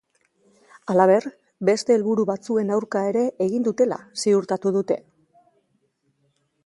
Halaber, beste helburu batzuen aurka ere egin dutela ziurtatu dute.